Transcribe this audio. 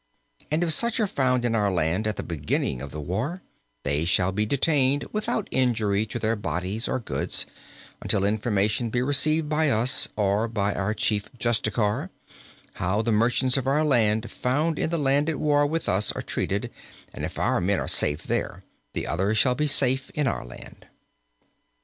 And if such are found in our land at the beginning of the war, they shall be detained without injury to their bodies or goods, until information be received by us, or by our chief justiciar, how the merchants of our land found in the land at war with us are treated and if our men are safe there, the others shall be safe in our land.